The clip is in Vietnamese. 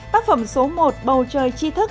tác phẩm số một bầu trời chi thức